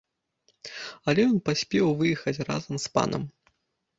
Але ён паспеў выехаць разам з панам.